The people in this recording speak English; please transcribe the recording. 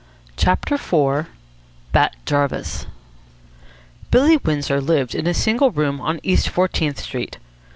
CHAPTER IV BAT JARVIS Billy Windsor lived in a single room on East Fourteenth Street.